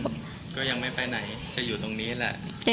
ก็ยังไม่ไปไหนจะอยู่ตรงนี้แหละ